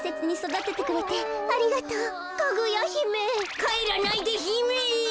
かえらないでひめ！